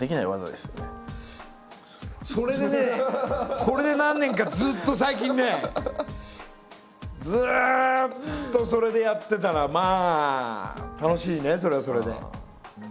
それでねこれで何年かずっと最近ねずっとそれでやってたらまあ楽しいねそれはそれで。